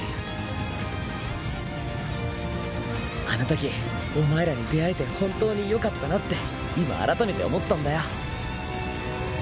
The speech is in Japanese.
あのときお前らに出会えて本当によかったなって今改めて思ったんだよ。